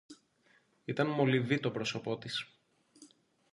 Ήταν μολυβί το πρόσωπο της